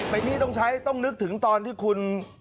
เป็นหนี้ต้องใช้ต้องนึกถึงตอนที่คุณ